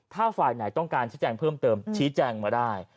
ถ้าฝ่ายไหนต้องการชี้แจงเพิ่มเติมชี้แจงมาได้